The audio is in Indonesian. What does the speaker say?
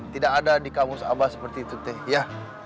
tidak ada di kamus abah seperti itu teh ya